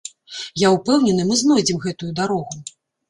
Я ўпэўнены, мы знойдзем гэтую дарогу.